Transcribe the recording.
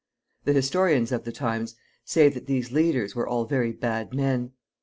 The historians of the times say that these leaders were all very bad men.